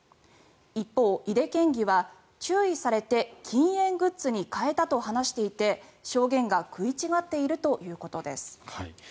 一方、井手県議は注意されて禁煙グッズに変えたと話していて証言が食い違っているということです。